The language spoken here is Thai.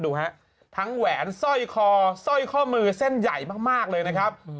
ดูฮะทั้งแหวนสร้อยคอสร้อยข้อมือเส้นใหญ่มากเลยนะครับ